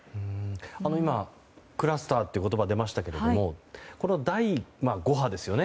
今、クラスターという言葉が出ましたがこの第５波ですよね。